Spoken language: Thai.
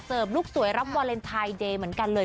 ลูกสวยรับวาเลนไทยเดย์เหมือนกันเลย